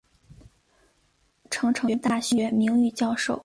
成城大学名誉教授。